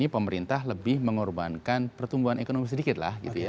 pemerintah lebih mengorbankan pertumbuhan ekonomi sedikit lah gitu ya